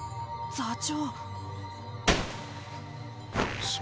座長！